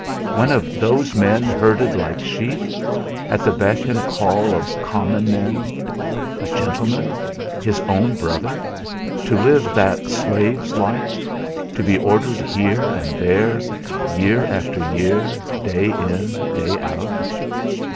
One of those men herded like sheep; at the beck and call of common men! A gentleman, his own brother, to live that slave's life, to be ordered here and there, year after year, day in, day out.